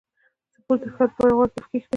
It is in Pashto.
سپورټ د صحت له پاره غوره تفکیک دئ.